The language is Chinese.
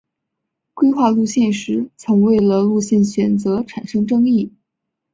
规划路线时曾为了路线选择产生争议。